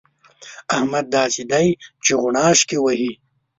احمد داسې دی چې غوڼاشکې وهي.